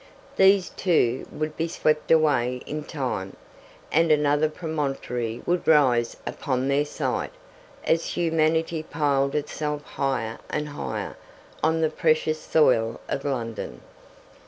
These, too, would be swept away in time, and another promontory would rise upon their site, as humanity piled itself higher and higher on the precious soil of London.